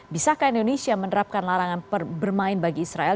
bisakah indonesia menerapkan larangan bermain bagi israel